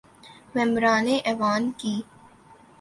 ممبران ایوان کی